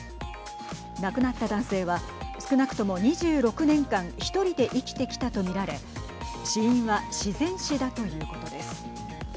亡くなった男性は少なくとも２６年間一人で生きてきたと見られ死因は自然死だということです。